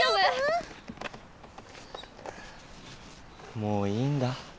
もういいんだ。